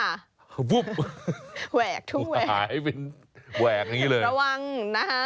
แหว่งทุ่งแหว่งระวังนะฮะ